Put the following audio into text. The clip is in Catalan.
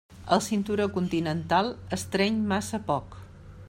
El cinturó continental estreny massa poc.